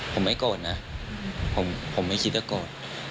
ผมไม่โกรธนะผมไม่คิดจะโกรธ